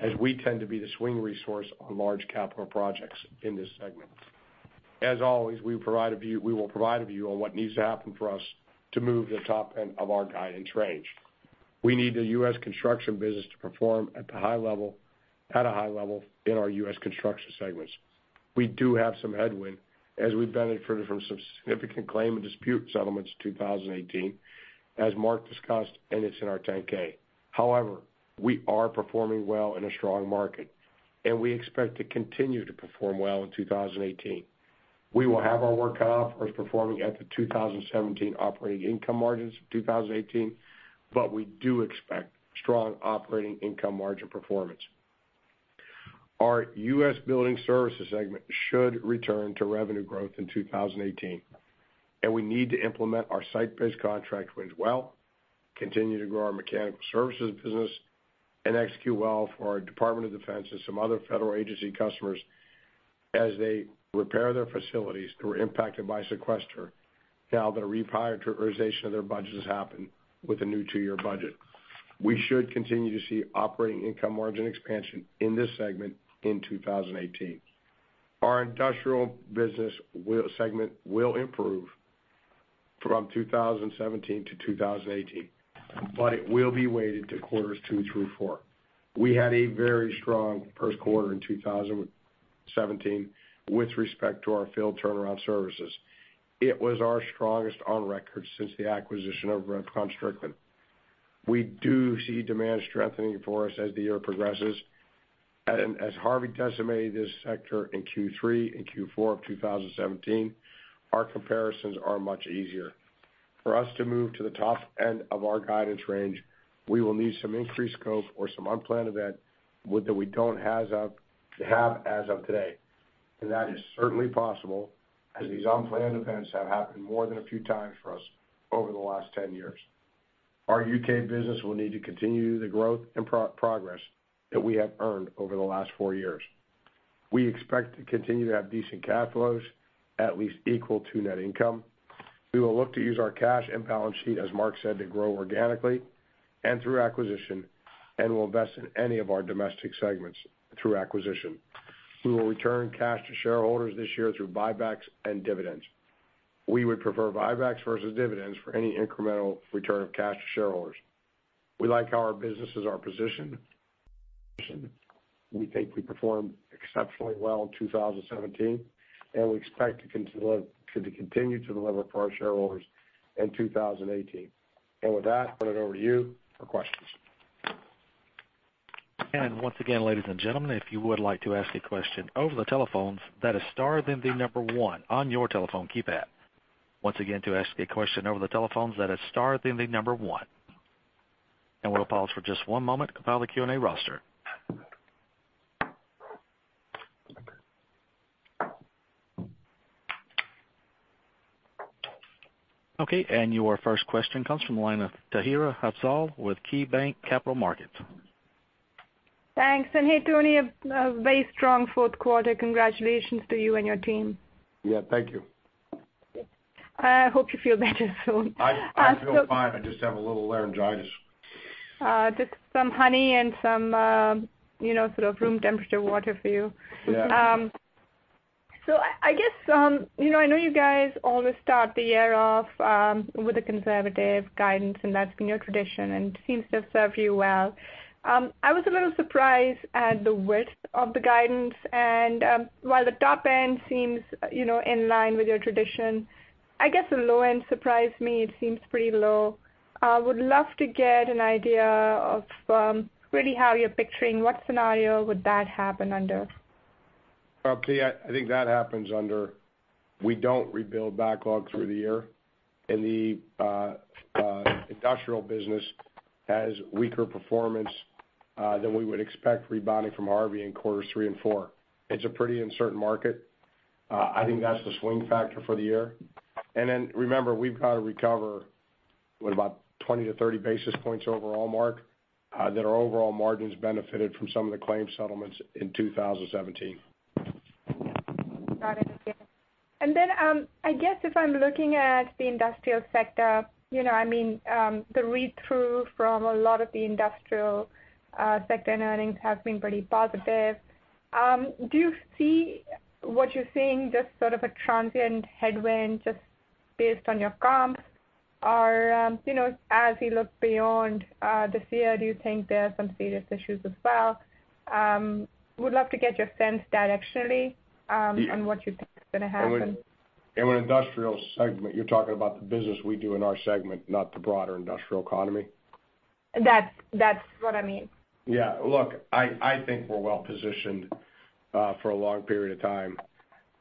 as we tend to be the swing resource on large capital projects in this segment. As always, we will provide a view on what needs to happen for us to move the top end of our guidance range. We need the U.S. construction business to perform at a high level in our U.S. construction segments. We do have some headwind as we benefited from some significant claim and dispute settlements in 2018, as Mark discussed. It's in our 10-K. However, we are performing well in a strong market. We expect to continue to perform well in 2018. We will have our work cut out for us performing at the 2017 operating income margins of 2018. We do expect strong operating income margin performance. Our U.S. building services segment should return to revenue growth in 2018. We need to implement our site-based contract wins well, continue to grow our mechanical services business, and execute well for our Department of Defense and some other federal agency customers as they repair their facilities that were impacted by sequester, now that a reprioritization of their budget has happened with a new two-year budget. We should continue to see operating income margin expansion in this segment in 2018. Our industrial business segment will improve from 2017 to 2018, but it will be weighted to quarters two through four. We had a very strong first quarter in 2017 with respect to our field turnaround services. It was our strongest on record since the acquisition of RepconStrickland. We do see demand strengthening for us as the year progresses. As Harvey decimated this sector in Q3 and Q4 of 2017, our comparisons are much easier. For us to move to the top end of our guidance range, we will need some increased scope or some unplanned event that we don't have as of today. That is certainly possible, as these unplanned events have happened more than a few times for us over the last 10 years. Our U.K. business will need to continue the growth and progress that we have earned over the last four years. We expect to continue to have decent cash flows, at least equal to net income. We will look to use our cash and balance sheet, as Mark said, to grow organically and through acquisition, and we'll invest in any of our domestic segments through acquisition. We will return cash to shareholders this year through buybacks and dividends. We would prefer buybacks versus dividends for any incremental return of cash to shareholders. We like how our businesses are positioned. We think we performed exceptionally well in 2017. We expect to continue to deliver for our shareholders in 2018. With that, turn it over to you for questions. Once again, ladies and gentlemen, if you would like to ask a question over the telephones, that is star, then the number one on your telephone keypad. Once again, to ask a question over the telephones, that is star, then the number one. We'll pause for just one moment to file the Q&A roster. Okay, your first question comes from the line of Tahira Afzal with KeyBanc Capital Markets. Thanks. Hey, Tony, a very strong fourth quarter. Congratulations to you and your team. Yeah. Thank you. I hope you feel better soon. I feel fine. I just have a little laryngitis. Just some honey and some room temperature water for you. Yeah. I know you guys always start the year off with a conservative guidance, and that's been your tradition, and it seems to have served you well. I was a little surprised at the width of the guidance. While the top end seems in line with your tradition, I guess the low end surprised me. It seems pretty low. I would love to get an idea of really how you're picturing what scenario would that happen under? I think that happens under, we don't rebuild backlog through the year, and the industrial business has weaker performance than we would expect rebounding from Harvey in quarters three and four. It's a pretty uncertain market. I think that's the swing factor for the year. Then remember, we've got to recover, what, about 20 to 30 basis points overall, Mark, that our overall margins benefited from some of the claims settlements in 2017. Got it. Yeah. Then, I guess if I'm looking at the industrial sector, the read-through from a lot of the industrial sector earnings have been pretty positive. Do you see what you're seeing just sort of a transient headwind just based on your comps? As you look beyond this year, do you think there are some serious issues as well? Would love to get your sense directionally on what you think is going to happen. In an industrial segment, you're talking about the business we do in our segment, not the broader industrial economy? That's what I mean. Yeah. Look, I think we're well-positioned for a long period of time.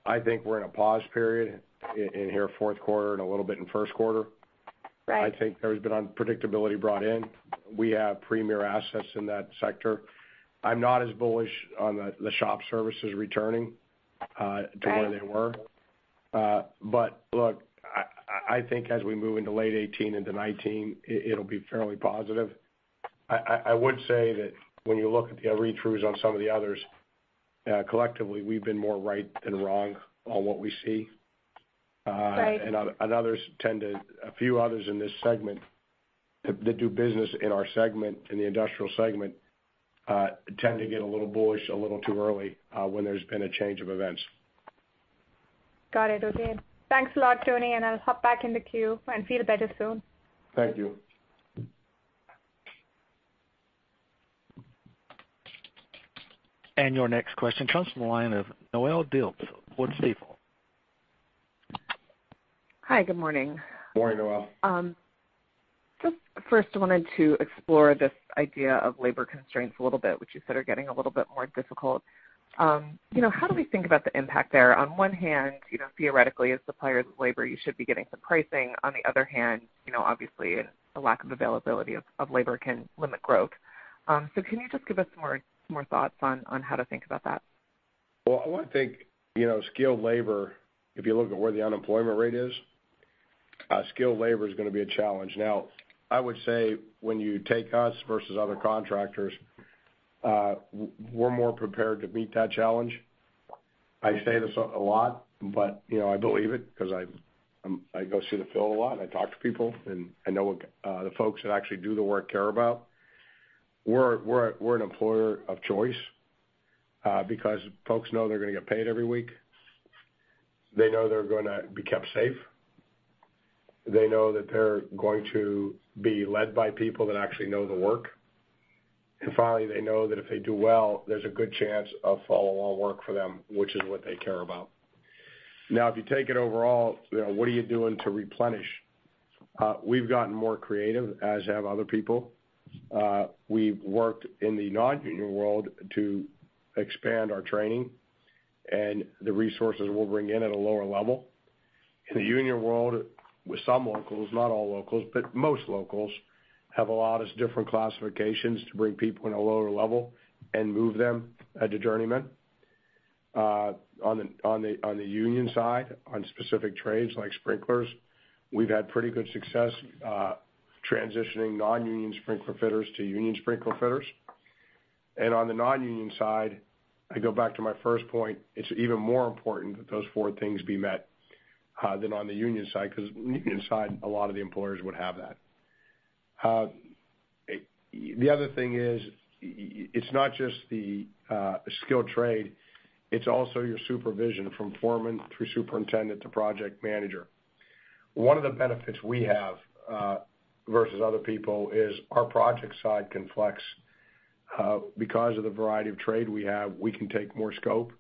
I think we're in a pause period in here, fourth quarter and a little bit in first quarter. Right. I think there's been unpredictability brought in. We have premier assets in that sector. I'm not as bullish on the shop services returning to where they were. Look, I think as we move into late 2018 into 2019, it'll be fairly positive. I would say that when you look at the read-throughs on some of the others, collectively, we've been more right than wrong on what we see. Right. A few others in this segment that do business in our segment, in the industrial segment, tend to get a little bullish a little too early when there's been a change of events. Got it. Okay. Thanks a lot, Tony, and I'll hop back in the queue, and feel better soon. Thank you. Your next question comes from the line of Noelle Dilts, Wolfe Research. Hi, good morning. Morning, Noelle. Just first wanted to explore this idea of labor constraints a little bit, which you said are getting a little bit more difficult. How do we think about the impact there? On one hand, theoretically as suppliers of labor, you should be getting some pricing. On the other hand, obviously a lack of availability of labor can limit growth. Can you just give us some more thoughts on how to think about that? Well, I want to think, skilled labor, if you look at where the unemployment rate is, skilled labor is going to be a challenge. Now, I would say when you take us versus other contractors, we're more prepared to meet that challenge. I say this a lot, but I believe it because I go see the field a lot and I talk to people, and I know what the folks that actually do the work care about. We're an employer of choice, because folks know they're going to get paid every week. They know they're going to be kept safe. They know that they're going to be led by people that actually know the work. Finally, they know that if they do well, there's a good chance of follow-on work for them, which is what they care about. What are you doing to replenish? We've gotten more creative, as have other people. We've worked in the non-union world to expand our training and the resources we'll bring in at a lower level. In the union world, with some locals, not all locals, but most locals, have allowed us different classifications to bring people in a lower level and move them to journeymen. On the union side, on specific trades like sprinklers, we've had pretty good success transitioning non-union sprinkler fitters to union sprinkler fitters. On the non-union side, I go back to my first point, it's even more important that those four things be met than on the union side, because union side, a lot of the employers would have that. The other thing is, it's not just the skilled trade, it's also your supervision, from foreman through superintendent to project manager. One of the benefits we have versus other people is our project side can flex. Because of the variety of trade we have, we can take more scope,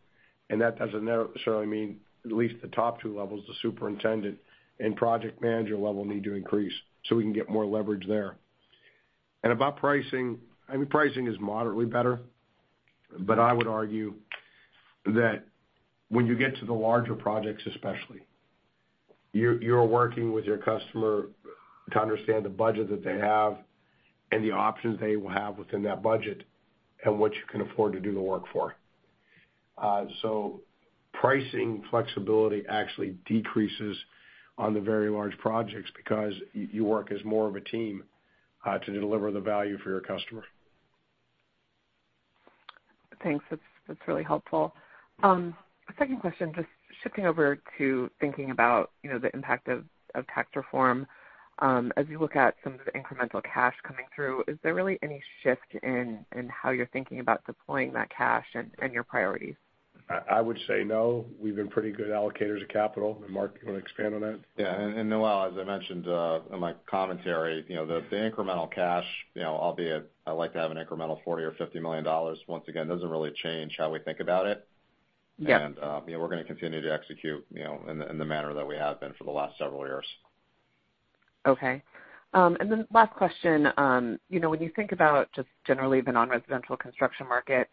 and that doesn't necessarily mean at least the top 2 levels, the superintendent and project manager level need to increase, so we can get more leverage there. About pricing, I mean, pricing is moderately better. I would argue that when you get to the larger projects, especially, you're working with your customer to understand the budget that they have and the options they will have within that budget, and what you can afford to do the work for. Pricing flexibility actually decreases on the very large projects because you work as more of a team, to deliver the value for your customer. Thanks. That's really helpful. A second question, just shifting over to thinking about the impact of tax reform. As you look at some of the incremental cash coming through, is there really any shift in how you're thinking about deploying that cash and your priorities? I would say no. We've been pretty good allocators of capital. Mark, you want to expand on that? Yeah. Noelle, as I mentioned in my commentary, the incremental cash, albeit I like to have an incremental $40 million or $50 million, once again, doesn't really change how we think about it. Yeah. We're going to continue to execute in the manner that we have been for the last several years. Okay. Last question. When you think about just generally the non-residential construction market,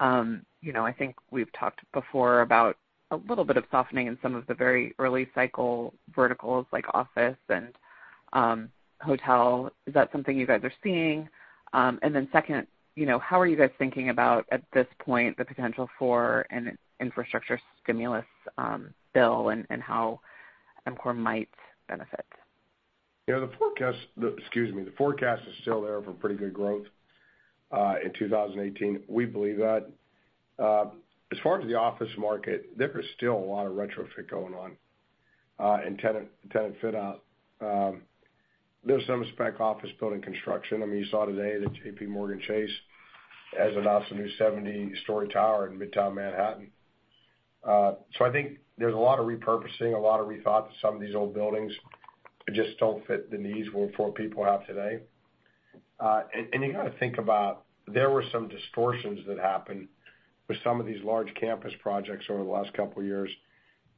I think we've talked before about a little bit of softening in some of the very early cycle verticals like office and hotel. Is that something you guys are seeing? Second, how are you guys thinking about, at this point, the potential for an infrastructure stimulus bill and how EMCOR might benefit? The forecast is still there for pretty good growth, in 2018. We believe that. As far as the office market, there is still a lot of retrofit going on, and tenant fit out. There's some spec office building construction. You saw today that JPMorgan Chase has announced a new 70-story tower in Midtown Manhattan. I think there's a lot of repurposing, a lot of rethought to some of these old buildings that just don't fit the needs for what people have today. You got to think about, there were some distortions that happened with some of these large campus projects over the last couple of years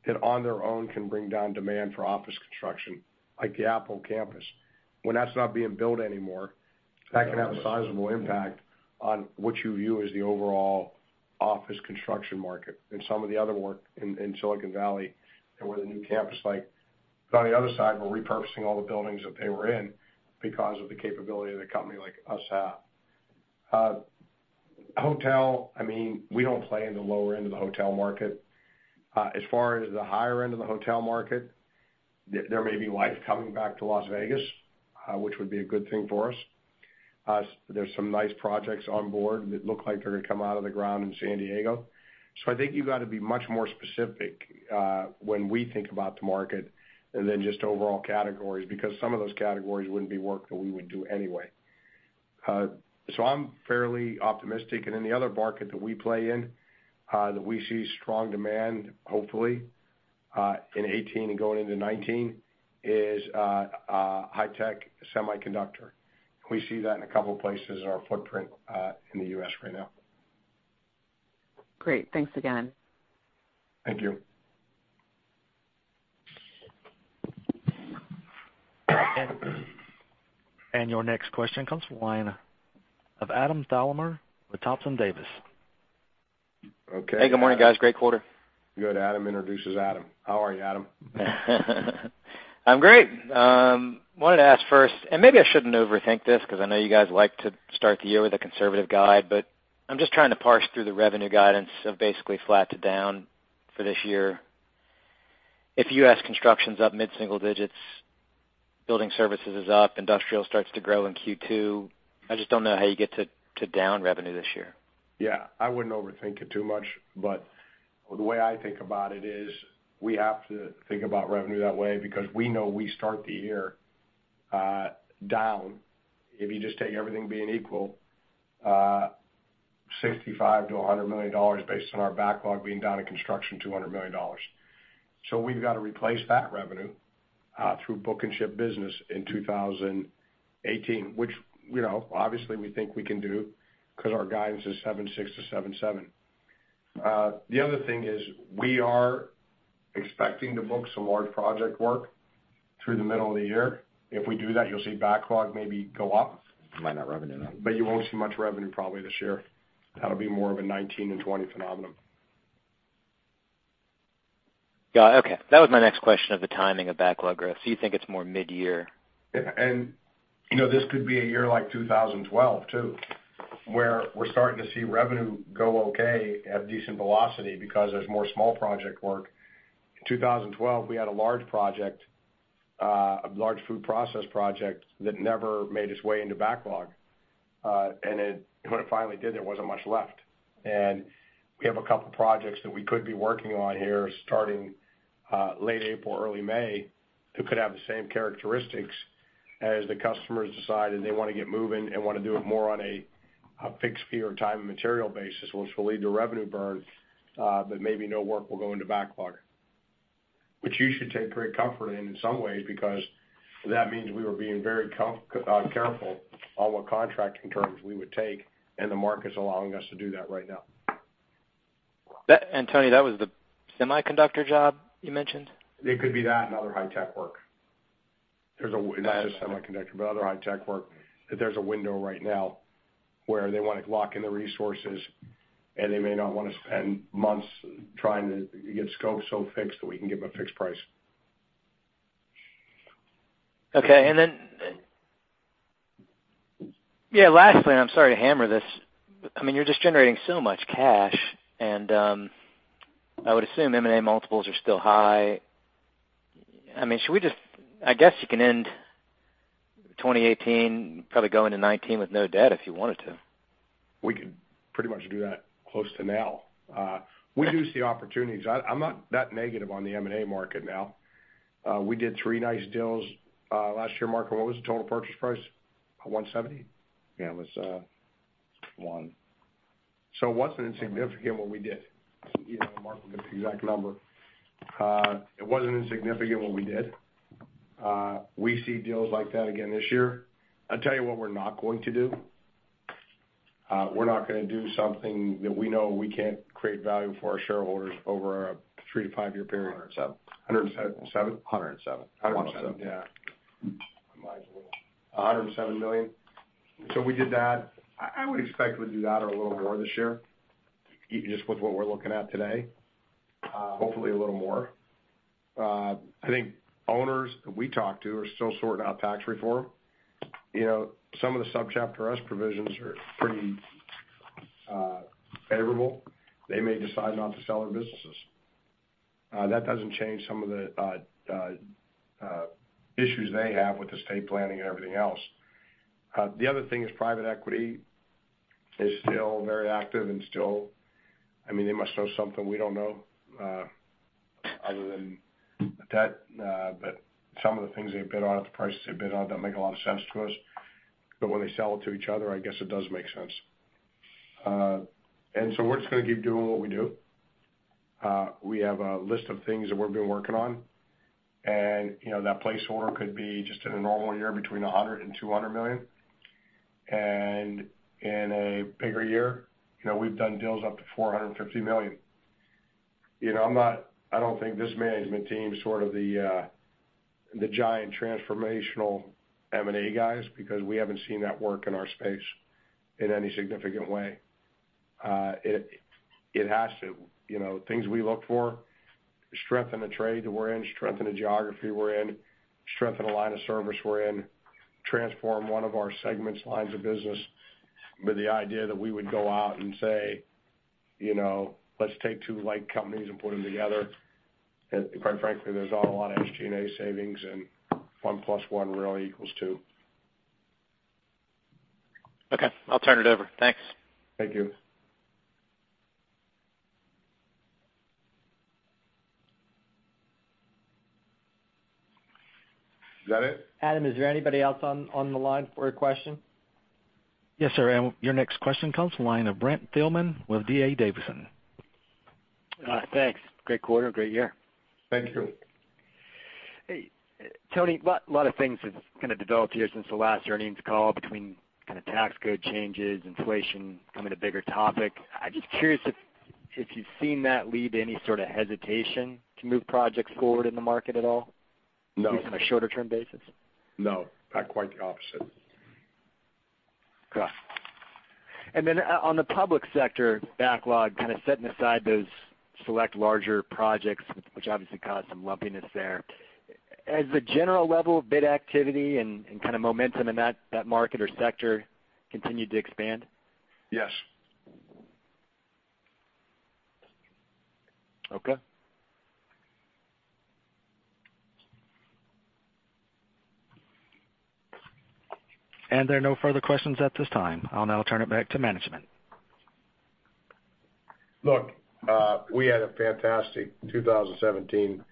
that on their own can bring down demand for office construction, like the Apple campus. When that's not being built anymore, that can have a sizable impact on what you view as the overall office construction market and some of the other work in Silicon Valley with a new campus like But on the other side, we're repurposing all the buildings that they were in because of the capability that a company like us have. Hotel, we don't play in the lower end of the hotel market. As far as the higher end of the hotel market, there may be life coming back to Las Vegas, which would be a good thing for us. There's some nice projects on board that look like they're going to come out of the ground in San Diego. I think you got to be much more specific, when we think about the market, and then just overall categories, because some of those categories wouldn't be work that we would do anyway. I'm fairly optimistic. In the other market that we play in, that we see strong demand, hopefully, in 2018 and going into 2019, is high tech semiconductor. We see that in a couple of places in our footprint, in the U.S. right now. Great. Thanks again. Thank you. Your next question comes from the line of Adam Thalhimer with Thompson Davis & Co. Okay. Hey, good morning, guys. Great quarter. Good, Adam. How are you, Adam? I'm great. Wanted to ask first, maybe I shouldn't overthink this because I know you guys like to start the year with a conservative guide, I'm just trying to parse through the revenue guidance of basically flat to down for this year. If U.S. construction's up mid-single digits, building services is up, industrial starts to grow in Q2, I just don't know how you get to down revenue this year. Yeah. I wouldn't overthink it too much, the way I think about it is, we have to think about revenue that way because we know we start the year down, if you just take everything being equal, $65 million to $100 million based on our backlog being down in construction $200 million. We've got to replace that revenue through book and ship business in 2018, which obviously we think we can do because our guidance is seven six to seven seven. The other thing is we are expecting to book some large project work through the middle of the year. If we do that, you'll see backlog maybe go up. You might not revenue that. You won't see much revenue probably this year. That'll be more of a 2019 and 2020 phenomenon. Got it. Okay. That was my next question of the timing of backlog growth. You think it's more mid-year? Yeah. This could be a year like 2012, too, where we're starting to see revenue go okay at decent velocity because there's more small project work. In 2012, we had a large food process project that never made its way into backlog. When it finally did, there wasn't much left. We have a couple projects that we could be working on here starting late April, early May, that could have the same characteristics as the customers decide that they want to get moving and want to do it more on a fixed fee or time and material basis, which will lead to revenue burn. Maybe no work will go into backlog. Which you should take great comfort in some ways, because that means we were being very careful on what contracting terms we would take, and the market's allowing us to do that right now. Tony, that was the semiconductor job you mentioned? It could be that and other high-tech work. Not just semiconductor, but other high-tech work, that there's a window right now where they want to lock in the resources, and they may not want to spend months trying to get scope so fixed that we can give a fixed price. Okay. Lastly, I'm sorry to hammer this, you're just generating so much cash, and I would assume M&A multiples are still high. I guess you can end 2018, probably go into 2019 with no debt if you wanted to. We could pretty much do that close to now. We do see opportunities. I'm not that negative on the M&A market now. We did three nice deals last year. Mark, what was the total purchase price? $170? Yeah, it was one. It wasn't insignificant what we did. Mark will get the exact number. It wasn't insignificant what we did. We see deals like that again this year. I'll tell you what we're not going to do. We're not going to do something that we know we can't create value for our shareholders over a three to five-year period. 107. 107? 107. $107, yeah. 170. Might as well. $107 million. We did that. I would expect we'd do that or a little more this year, just with what we're looking at today. Hopefully a little more. I think owners that we talk to are still sorting out tax reform. Some of the Subchapter S provisions are pretty favorable. They may decide not to sell their businesses. That doesn't change some of the issues they have with estate planning and everything else. The other thing is private equity is still very active. They must know something we don't know, other than the debt. Some of the things they bid on, at the prices they bid on, don't make a lot of sense to us. When they sell it to each other, I guess it does make sense. We're just going to keep doing what we do. We have a list of things that we've been working on, that placeholder could be just in a normal year between $100 million and $200 million. In a bigger year, we've done deals up to $450 million. I don't think this management team is sort of the giant transformational M&A guys because we haven't seen that work in our space in any significant way. Things we look for, strength in the trade that we're in, strength in the geography we're in, strength in the line of service we're in, transform one of our segments, lines of business, with the idea that we would go out and say, "Let's take two like companies and put them together." Quite frankly, there's not a lot of SG&A savings, and one plus one really equals two. Okay. I'll turn it over. Thanks. Thank you. Is that it? Adam, is there anybody else on the line for a question? Yes, sir. Your next question comes from the line of Brent Thielman with D.A. Davidson. Thanks. Great quarter, great year. Thank you. Hey, Tony, lot of things have kind of developed here since the last earnings call between kind of tax code changes, inflation becoming a bigger topic. I'm just curious if you've seen that lead to any sort of hesitation to move projects forward in the market at all? No. At least on a shorter-term basis? No. Quite the opposite. Okay. On the public sector backlog, kind of setting aside those select larger projects, which obviously caused some lumpiness there. Has the general level of bid activity and kind of momentum in that market or sector continued to expand? Yes. Okay. There are no further questions at this time. I'll now turn it back to management. Look, we had a fantastic 2017,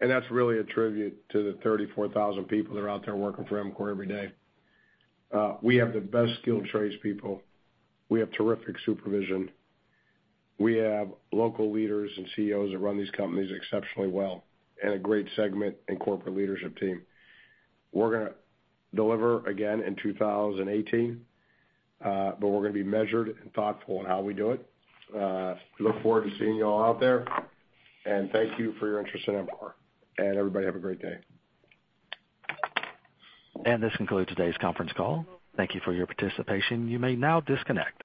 and that's really a tribute to the 34,000 people that are out there working for EMCOR every day. We have the best skilled trades people. We have terrific supervision. We have local leaders and CEOs that run these companies exceptionally well and a great segment and corporate leadership team. We're going to deliver again in 2018, but we're going to be measured and thoughtful in how we do it. Look forward to seeing you all out there, and thank you for your interest in EMCOR. Everybody have a great day. This concludes today's conference call. Thank you for your participation. You may now disconnect.